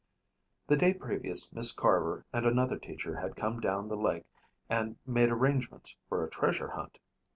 The day previous Miss Carver and another teacher had come down the lake and made arrangements for a treasure hunt.